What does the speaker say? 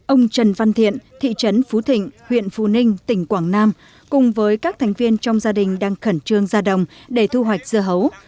ông trần văn thiện thị trấn phú thịnh huyện phú ninh tỉnh quảng nam cùng với các thành viên trong gia đình đang khẩn trương ra đồng để thu hoạch dưa hấu